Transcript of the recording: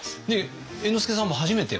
猿之助さんも初めてこちらに。